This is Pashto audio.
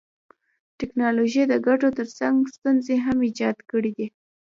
ټکنالوژي د ګټو تر څنګ ستونزي هم ایجاد کړيدي.